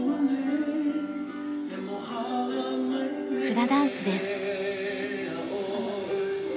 フラダンスです。